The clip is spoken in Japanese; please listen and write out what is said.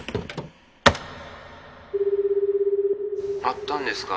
☎会ったんですか？